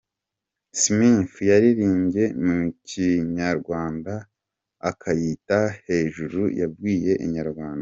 Smith yaririmbye mu kinyarwanda akayita ‘Hejuru’ yabwiye Inyarwanda.